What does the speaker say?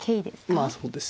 まあそうですね。